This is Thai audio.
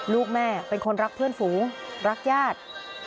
ลูกแม่เป็นคนรักเพื่อนฝูงรักญาติ